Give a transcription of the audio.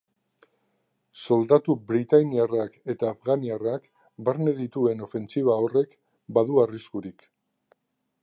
Soldatu britainiarrak eta afganiarrak barne dituen ofentsiba horrek badu arriskurik.